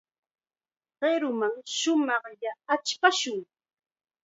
Qiruman shumaqlla achpashun.